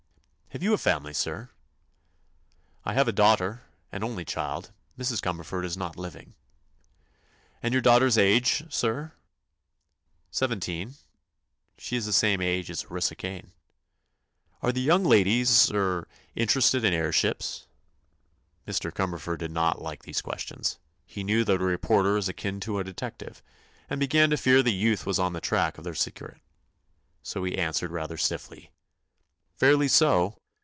"Have you a family, sir?" "I have a daughter, an only child. Mrs. Cumberford is not living." "And your daughter's age, sir?" "Seventeen. She is the same age as Orissa Kane." "Are the young ladies—er—interested in airships?" Mr. Cumberford did not like these questions. He knew that a reporter is akin to a detective, and began to fear the youth was on the track of their secret. So he answered rather stiffly: "Fairly so.